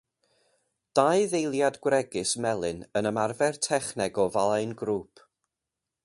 Dau ddeiliad gwregys melyn yn ymarfer techneg o flaen grŵp.